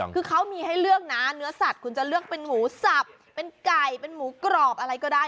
คือเขามีให้เลือกนะเนื้อสัตว์คุณจะเลือกเป็นหมูสับเป็นไก่เป็นหมูกรอบอะไรก็ได้